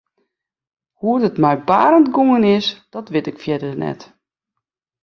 Hoe't it mei Barend gongen is dat wit ik fierder net.